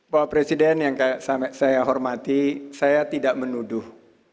bapak presiden yang saya hormati saya tidak menuduh